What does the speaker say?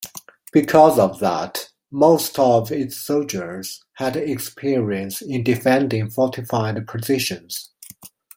Because of that, most of its soldiers had experience in defending fortified positions.